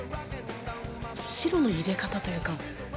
白の入れ方というか。